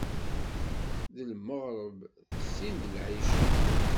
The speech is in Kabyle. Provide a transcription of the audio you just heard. D lmeɣreb, sin d lɛica.